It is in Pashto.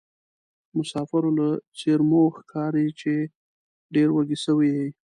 مسافرو له څېرومو ښکاري چې ډېروږي سوي یې.